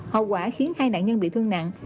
hậu quả khiến hai nạn nhân bị thương nặng